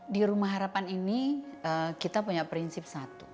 di rumah harapan ini kita punya prinsip satu